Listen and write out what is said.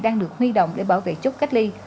đang được huy động để bảo vệ chốt cách ly